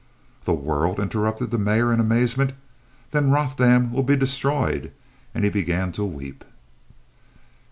"The world!" interrupted the Mayor in amazement. "Then Rothdam will be destroyed," and he began to weep.